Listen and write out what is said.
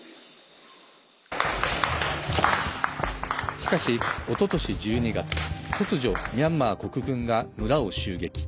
しかし、おととし１２月突如ミャンマー国軍が村を襲撃。